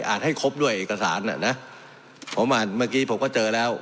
ให้ครบด้วยเอกสารน่ะนะผมอ่านเมื่อกี้ผมก็เจอแล้ว